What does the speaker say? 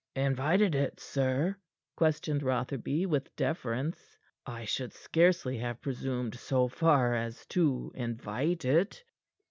"Invited it, sir?" questioned Rotherby with deference. "I should scarcely have presumed so far as to invite it."